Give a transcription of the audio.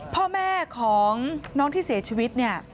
พ่อแม่ของน้องที่เสียชีวิตเนี่ย